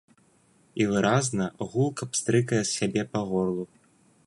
І выразна, гулка пстрыкае сябе па горлу.